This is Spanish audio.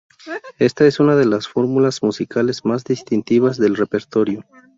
Esta es una de las fórmulas musicales más distintivas del repertorio.